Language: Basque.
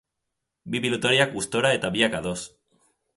Bi pilotariak gustora eta biak ados.